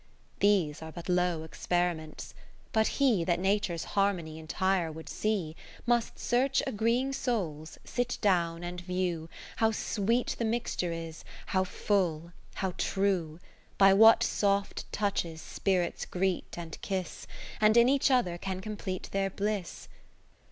These are but low experiments : but he That Nature's harmony entire would see, ( 541 ) Must search agreeing souls, sit down and view How sweet the mixture is, how full, how true ; 10 By what soft touches spirits greet and kiss, And in each other can complete their bliss.